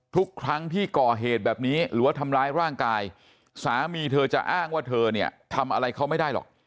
ทุกครั้งที่ก่อเหตุแบบนี้หรือว่าทำร้ายร่างกายสามีเธอจะอ้างว่าเธอเนี่ยทำอะไรเขาไม่ได้หรอก